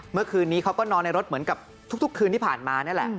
เมื่อคืนนี้เขาก็นอนในรถเหมือนกับทุกคืนที่ผ่านมานี่แหละ